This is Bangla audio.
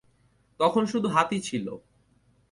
তখন শুধু হাতি ছিল।